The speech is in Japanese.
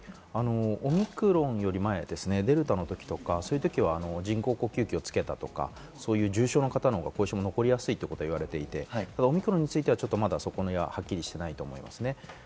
オミクロンより前、デルタの時とかそういう時は人工呼吸器をつけたりとか、そういう重症の方が後遺症が残りやすいと言われていて、ただオミクロンについてはそこはまだはっきりしていないところです。